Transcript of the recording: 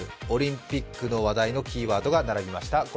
オリンピックの話題のキーワードが並びました。